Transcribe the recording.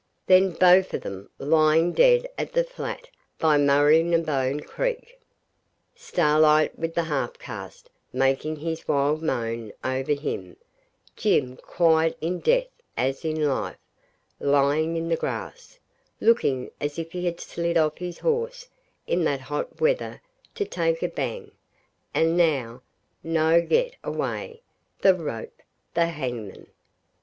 Then both of them lying dead at the flat by Murrynebone Creek Starlight with the half caste making his wild moan over him; Jim, quiet in death as in life, lying in the grass, looking as if he had slid off his horse in that hot weather to take a banje; and now, no get away, the rope the hangman!